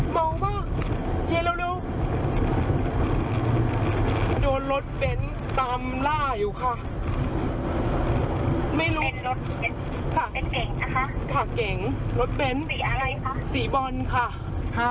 ไม่รู้ค่ะค่ะเก่งรถเบ้นสีบอลค่ะ